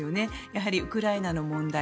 やはりウクライナの問題